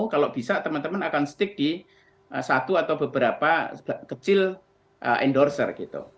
kalau bisa teman teman akan stick di satu atau beberapa kecil endorser gitu